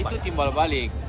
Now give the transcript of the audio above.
itu timbal balik